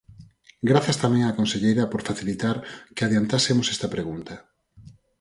Grazas tamén á conselleira por facilitar que adiantásemos esta pregunta.